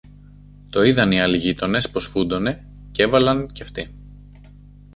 Το είδαν οι άλλοι γείτονες πως φούντωνε, κι έβαλαν και αυτοί.